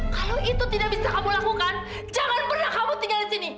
kalau itu tidak bisa kamu lakukan jangan pernah kamu tinggal di sini